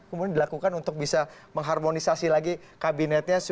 kemudian dilakukan untuk bisa mengharmonisasi lagi kabinetnya